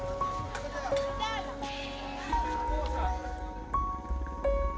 tentang dengan disemangers kita